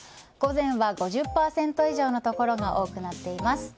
午前は５０％以上の所が多くなっています。